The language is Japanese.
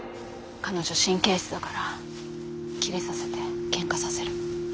彼女神経質だからキレさせてケンカさせる。